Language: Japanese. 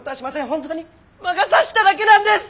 本当に魔が差しただけなんです。